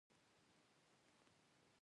مسرۍ يې جوړې د نګهت د تورو